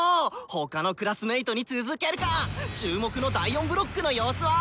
他のクラスメートに続けるか⁉注目の第４ブロックの様子は？